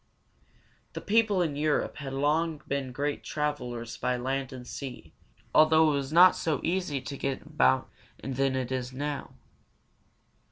The people in Europe had long been great travelers by land and sea, although it was not so easy to get about then as it is now.